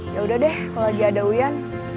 yaudah deh kalau lagi ada wuyan